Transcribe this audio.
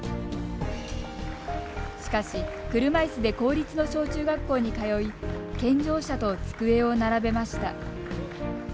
しかし車いすで公立の小中学校に通い健常者と机を並べました。